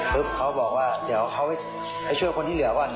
เขาบอกว่าเดี๋ยวเขาไปช่วยคนที่เหลือก่อน